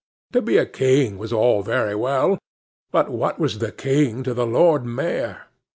To be a King was all very well; but what was the King to the Lord Mayor!